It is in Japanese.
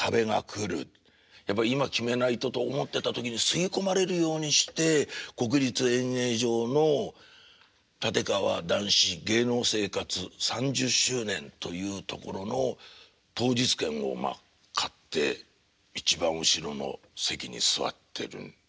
やっぱ今決めないとと思ってた時に吸い込まれるようにして国立演芸場の立川談志芸能生活３０周年というところの当日券をまあ買って一番後ろの席に座ってるんですよ。